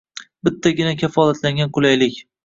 Bittagina kafolatlangan qulaylik